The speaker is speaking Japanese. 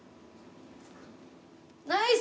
ナイス！